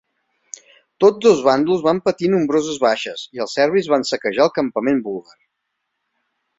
Tots dos bàndols van patir nombroses baixes i els serbis van saquejar el campament búlgar.